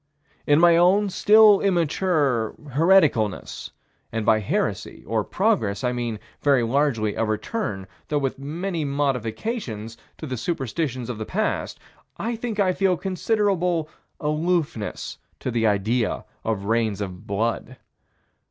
In my own still immature hereticalness and by heresy, or progress, I mean, very largely, a return, though with many modifications, to the superstitions of the past, I think I feel considerable aloofness to the idea of rains of blood.